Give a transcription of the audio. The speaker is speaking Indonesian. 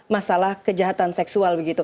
masalah kejahatan seksual